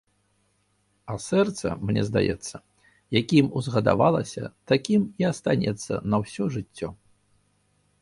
А сэрца, мне здаецца, якім узгадавалася, такім і астанецца на ўсё жыццё.